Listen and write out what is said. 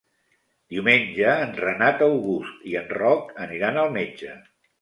Diumenge en Renat August i en Roc aniran al metge.